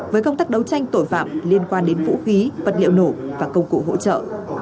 với công tác đấu tranh tội phạm liên quan đến vũ khí vật liệu nổ và công cụ hỗ trợ